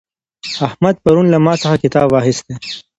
احمد پرون له ما څخه کتاب واخیستی.